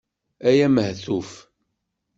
Ay amehtuf!